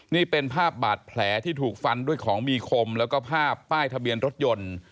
นี่เป็นภาพบาดแผลที่ถูกฟันด้วยของมีคมแล้วก็ภาพป้ายทะเบียนรถยนต์